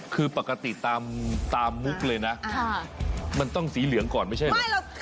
คือปกติตามมุกเลยนะมันต้องสีเหลืองก่อนไม่ใช่เหรอ